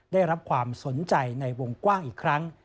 ได้รับความสนใจในวงกว้างอีกครั้ง